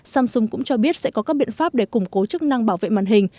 samsung cũng cho biết sẽ có các biện pháp để củng cố chức năng bảo vệ màn hình